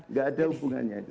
tidak ada hubungannya itu